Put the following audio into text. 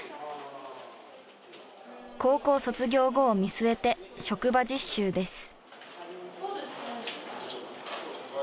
高校卒業後を見据えて職場実習です。